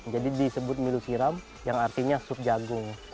jadi disebut milu siram yang artinya sup jagung